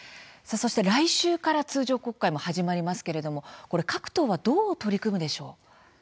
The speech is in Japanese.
来週から通常国会も始まりますけれども各党はどう取り組むでしょう。